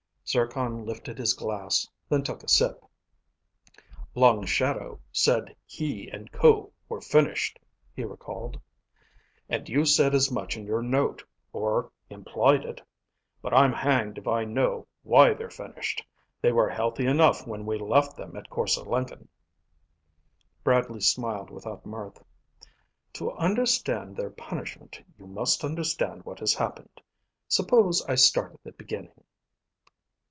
Zircon lifted his glass, then took a sip. "Long Shadow said he and Ko were finished," he recalled. "And you said as much in your note, or implied it. But I'm hanged if I know why they're finished. They were healthy enough when we left them at Korse Lenken." Bradley smiled without mirth. "To understand their punishment, you must understand what has happened. Suppose I start at the beginning?"